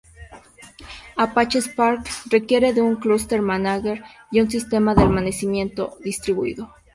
Apache Spark requiere de un cluster manager y un sistema de almacenamiento distribuido.